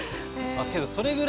けどそれぐらい有名。